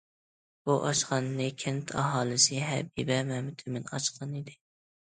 بۇ ئاشخانىنى كەنت ئاھالىسى ھەبىبە مەمتىمىن ئاچقانىدى.